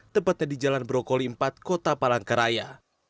tepatnya di jalan brokoli empat kota palangkaraya